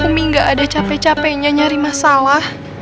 umi gak ada cape capenya nyari masalah